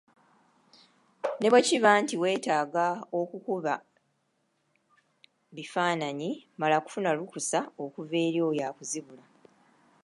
Ne bwe kiba nti weetaaga kukuba bifaananyi mala kufuna lukusa okuva eri oyo akuzibula.